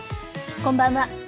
こんばんは。